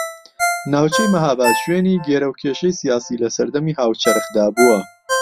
ناوچەی مەھاباد شوێنی گێرەوکێشەی سیاسی لە سەردەمی هاوچەرخدا بووە